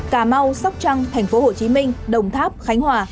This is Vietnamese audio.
cà mau sóc trăng thành phố hồ chí minh đồng tháp khánh hòa